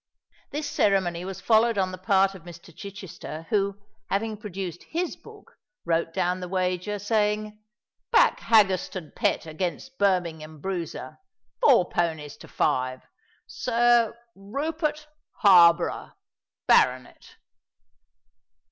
This ceremony was followed on the part of Mr. Chichester, who, having produced his book, wrote down the wager, saying, "Back Haggerstone Pet against Birmingham Bruiser—four ponies to five—Sir—Rupert—Harborough—baronet."